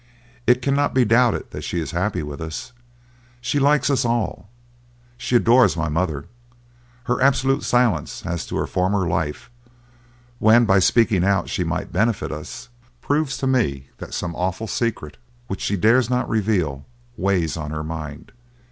It cannot be doubted that she is happy with us. She likes us all—she adores my mother. Her absolute silence as to her former life, when by speaking out she might benefit us, proves to me that some awful secret, which she dares not reveal, weighs on her mind.